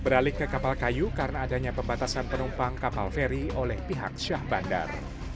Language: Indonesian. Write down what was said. beralih ke kapal kayu karena adanya pembatasan penumpang kapal feri oleh pihak syah bandar